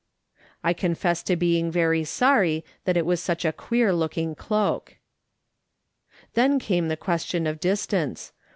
I confess to being very sorry that it was such a queer looking cloak. Then came the question of distance.